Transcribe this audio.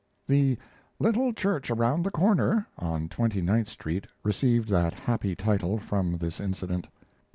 ] The "Little Church Around the Corner" on Twenty ninth Street received that happy title from this incident.